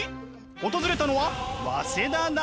訪れたのは早稲田大学。